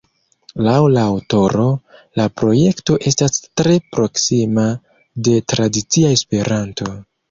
Laŭ la aŭtoro, la projekto estas tre proksima de tradicia Esperanto.